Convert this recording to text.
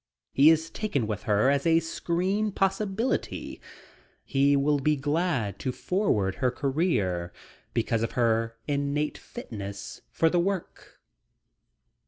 He is taken with her as a screen possibility. He will be glad to forward her career because of her innate fitness for the work.